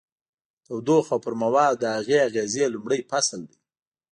تودوخه او پر موادو د هغې اغیزې لومړی فصل دی.